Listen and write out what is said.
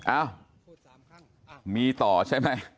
อ้าวมีต่อใช่ไหม